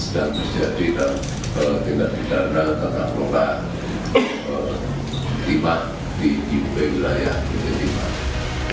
dan bisa ditindak tindakkan dengan roka timah di wilayah pt timah